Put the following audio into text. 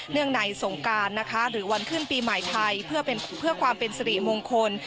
งในสงการนะคะหรือวันขึ้นปีใหม่ไทยเพื่อความเป็นสิริมงคล